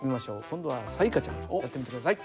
今度は彩加ちゃんやってみて下さい。